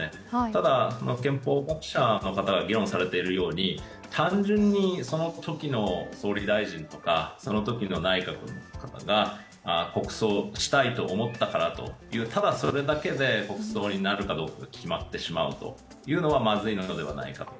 ただ、憲法学者の方が議論されているように、単純にそのときの総理大臣とかそのときの内閣の方が国葬したいと思ったからとただそれだけで国葬になることが決まってしまうのはまずいのではないかと。